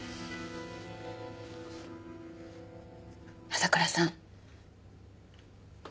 朝倉さん。